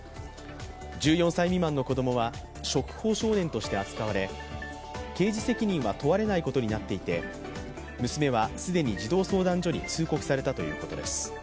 １４歳未満の子どもは触法少年として扱われ刑事責任は問われないことになっていて、娘は既に児童相談所に通告されたということです。